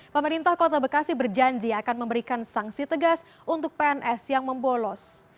pemerintah kota bekasi berjanji akan memberikan sanksi tegas untuk pns yang membolos